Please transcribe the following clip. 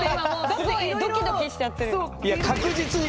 すごいドキドキしちゃってる。